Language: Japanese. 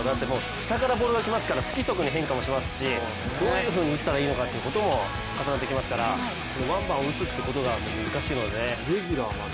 下からボールが来ますから不規則に変化しますしどういうふうに打ったらいいのかっていうのも重なってきますからワンバンを打つことは難しいですね。